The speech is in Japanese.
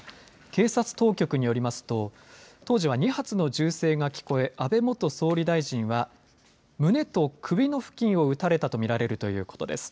警察当局によりますと、当時は２発の銃声が聞こえ安倍元総理大臣は胸と首の付近を撃たれたとみられるということです。